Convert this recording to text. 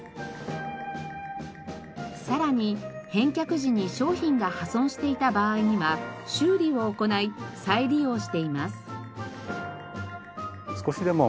更に返却時に商品が破損していた場合には修理を行い再利用しています。